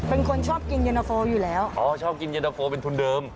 เป็นคนชอบกินเย็นตะโฟอยู่แล้วอ๋อชอบกินเย็นตะโฟเป็นทุนเดิม